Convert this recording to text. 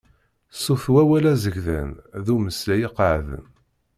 Sut wawal azedgan d umeslay iqeεden.